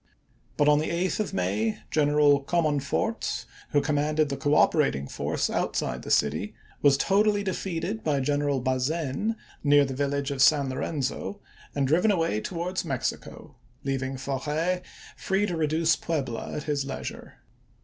But on the 8th of May Gren i863. eral Comonfort, who commanded the cooperating force outside of the city, was totally defeated by General Bazaine near the village of St. Lorenzo, and driven away towards Mexico, leaving Forey free to reduce Puebla at his leisure.